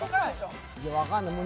分かんない。